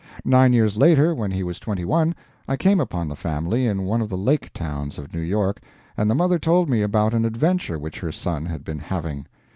Nine years later, when he was twenty one, I came upon the family in one of the lake towns of New York, and the mother told me about an adventure which her son had been having.